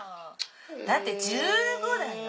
だって１５だよ！